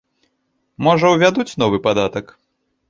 Можа, увядуць новы падатак?